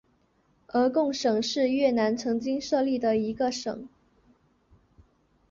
鹅贡省是越南曾经设立的一个省。